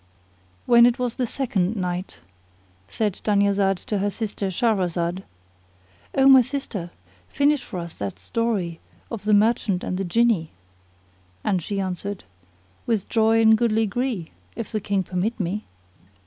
When it was the Second Night, said Dunyazad to her sister Shahrazad, "O my sister, finish for us that story of the Merchant and the Jinni;" and she answered "With joy and goodly gree, if the King permit me."